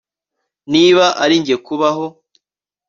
Niba ari njye kubaho